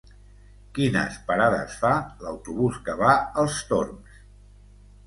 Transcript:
Quines parades fa l'autobús que va als Torms?